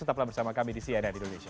tetaplah bersama kami di cnn indonesia